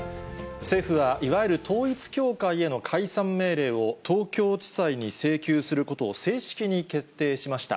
政府は、いわゆる統一教会への解散命令を東京地裁に請求することを正式に決定しました。